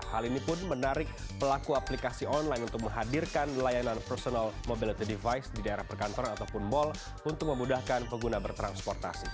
hal ini pun menarik pelaku aplikasi online untuk menghadirkan layanan personal mobility device di daerah perkantoran ataupun mal untuk memudahkan pengguna bertransportasi